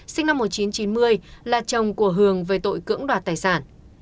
sinh năm một nghìn chín trăm chín mươi là chồng của hường về tội cưỡng đoạt tài sản